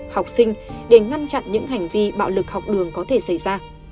học sinh để ngăn chặn những hành vi bạo lực học đường có thể xảy ra